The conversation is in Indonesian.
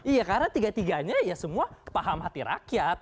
iya karena tiga tiganya ya semua paham hati rakyat